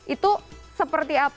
itu seperti apa